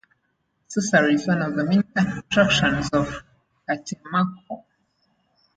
Sorcery is one of the main attractions of Catemaco.